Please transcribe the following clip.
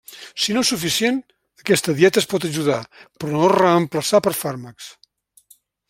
Si no és suficient, aquesta dieta es pot ajudar, però no reemplaçar per fàrmacs.